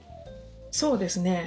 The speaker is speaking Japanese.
そうですね。